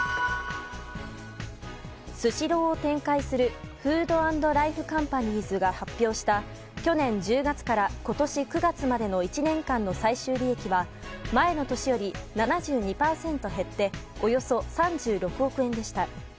スシローを展開するＦＯＯＤ＆ＬＩＦＥＣＯＭＰＡＮＩＥＳが発表した去年１０月から今年９月までの１年間の最終利益が前の年より７２％減っておよそ３６億円でした。